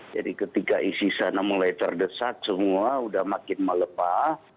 jadi ketika isi sana mulai terdesak semua udah makin melepah